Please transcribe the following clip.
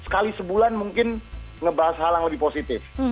sekali sebulan mungkin ngebahas hal yang lebih positif